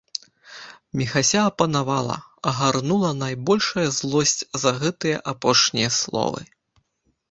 Міхася апанавала, агарнула найбольшая злосць за гэтыя апошнія словы.